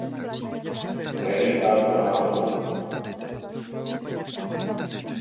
A neříkám to náhodou.